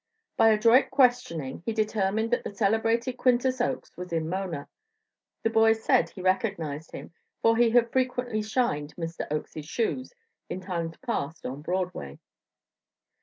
By adroit questioning, he determined that the celebrated Quintus Oakes was in Mona. The boy said he recognized him, for he had frequently "shined" Mr. Oakes's shoes in times past on Broadway.